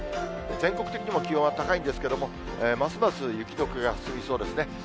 全国的にも気温は高いんですけれども、ますます雪どけが進みそうですね。